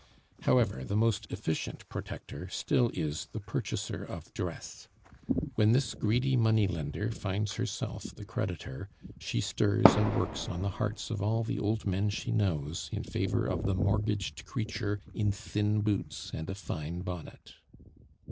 However, the most efficient protector still is the purchaser of dress. When this greedy money lender finds herself the creditor, she stirs and works on the hearts of all the old men she knows in favor of the mortgaged creature in thin boots and a fine bonnet.